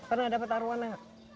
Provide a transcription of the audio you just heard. pernah dapat arowana